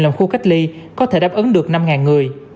trong khu cách ly có thể đáp ứng được năm người